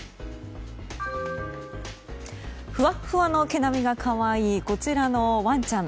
ふわっふわの毛並みが可愛い、こちらのワンちゃん。